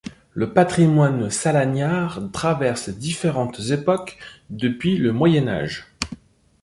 Le patrimoine salagnard traverse différentes époques depuis le Moyen Âge.